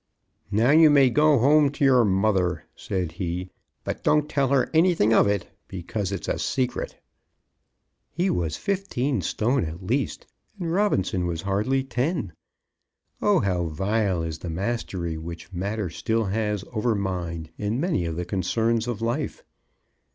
"Now you may go home to your mother," said he. "But don't tell her anything of it, because it's a secret." He was fifteen stone at least, and Robinson was hardly ten. Oh, how vile is the mastery which matter still has over mind in many of the concerns of life!